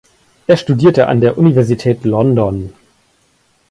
Er studierte an der Universität London.